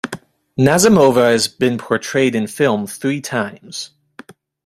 Nazimova has been portrayed in film three times.